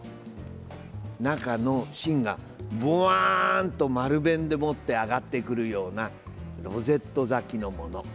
中の芯がぼわっと丸弁で上がってくるようなロゼット咲きのもの。